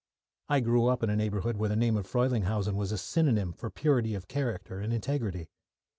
I grew up in a neighbourhood where the name of Frelinghuysen was a synonym for purity of character and integrity.